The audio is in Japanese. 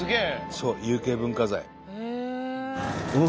そう有形文化財。